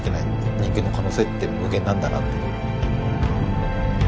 人間の可能性って無限なんだなと。